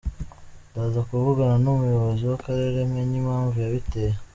Ndaza kuvugana n’umuyobozi w’Akarere menye impamvu yabiteye.